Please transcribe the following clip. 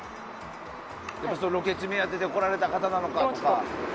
ロケ地目当てで来られた方なのかとか。